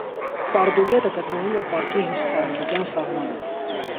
Պարդու գետը գտնվում է պարկի հյուսիսարևմտյան սահմանում։